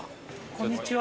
こんにちは。